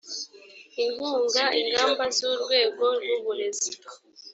inkunga ingamba z urwego rw uburezi